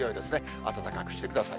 暖かくしてください。